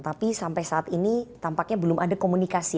tapi sampai saat ini tampaknya belum ada komunikasi